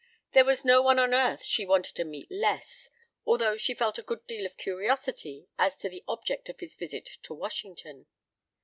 There was no one on earth she wanted to meet less, although she felt a good deal of curiosity as to the object of his visit to Washington.